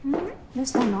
どうしたの？